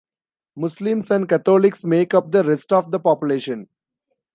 Muslims and Catholics make up the rest of the population.